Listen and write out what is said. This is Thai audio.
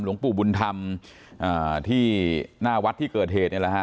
หลวงปู่บุญทำที่หน้าวัดเกิดเหตุ